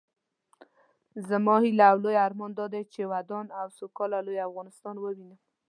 زما هيله او لوئ ارمان دادی چې ودان او سوکاله لوئ افغانستان ووينم